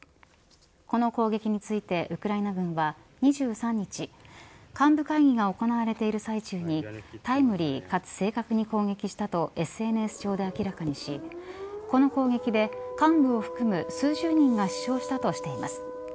この攻撃についてウクライナ軍は２３日幹部会議が行われている最中にタイムリーかつ正確に攻撃したとＳＮＳ上で明らかにしこの攻撃で幹部を含む数十人が死傷したとしています。